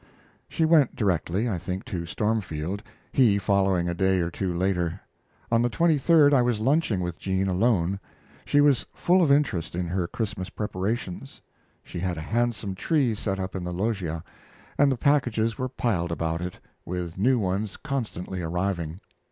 She went directly, I think, to Stormfield, he following a day or two later. On the 23d I was lunching with Jean alone. She was full of interest in her Christmas preparations. She had a handsome tree set up in the loggia, and the packages were piled about it, with new ones constantly arriving.